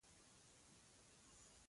د دعا ځواک د مؤمن افتخار دی.